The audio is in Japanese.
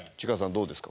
どうですか？